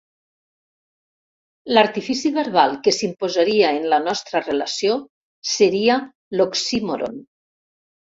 L'artifici verbal que s'imposaria en la nostra relació seria l'oxímoron.